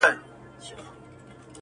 o بې چرگه به هم سبا سي!